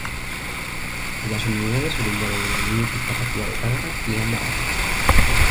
Las unidades brindaron una muy útil capacidad de carga y eran baratos.